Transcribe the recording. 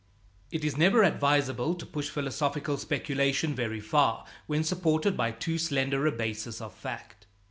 ] It is never advisable to push philosophical speculation very far when supported by too slender a basis of fact.